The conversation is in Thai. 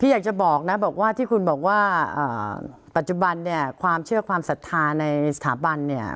อยากจะบอกนะบอกว่าที่คุณบอกว่าปัจจุบันเนี่ยความเชื่อความศรัทธาในสถาบันเนี่ย